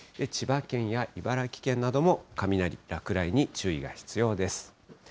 千葉県や茨城県なども、雷、落雷に注意が必要です。